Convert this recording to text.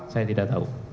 saya tidak tahu